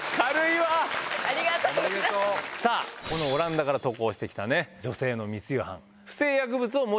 さぁオランダから渡航して来た女性の密輸犯。